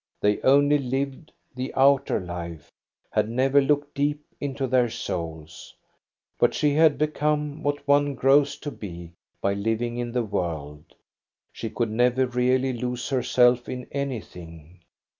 They only lived the oufer life, had never looked deep into their souls. But she had become what one grows to be by living in the world ; she could never really lose herself in any thing.